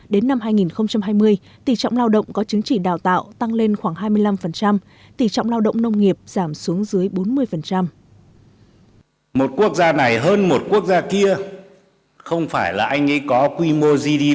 đến năm hai nghìn hai mươi tỷ trọng lao động có chứng chỉ đào tạo tăng lên khoảng hai mươi năm tỷ trọng lao động nông nghiệp giảm xuống dưới bốn mươi